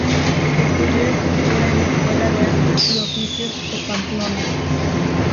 Estudió escultura en la Escuela de Artes y Oficios de Pamplona.